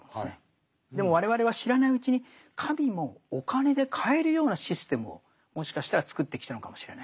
でも我々は知らないうちに神もお金で買えるようなシステムをもしかしたら作ってきたのかもしれない。